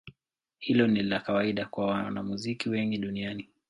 Hilo ni la kawaida kwa wanamuziki wengi duniani.